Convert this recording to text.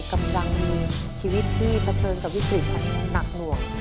กำลังมีชีวิตที่เผชิญกับวิกฤตหนักหน่วง